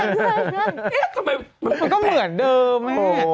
นี่ทำไมมันแบบโหดูมั้ยมันก็เหมือนเดิม